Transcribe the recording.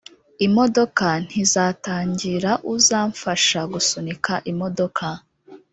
imodoka ntizatangira uzamfasha gusunika imodoka